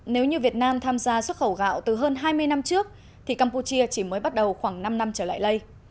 nếu như việt nam tham gia xuất khẩu gạo từ hơn hai mươi năm trước thì campuchia chỉ mới bắt đầu khoảng năm năm trở lại đây